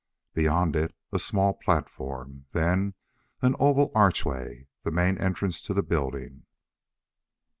Beyond it, a small platform, then an oval archway, the main entrance to the building.